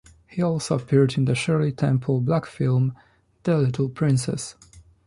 He also appeared in the Shirley Temple Black film, "The Little Princess".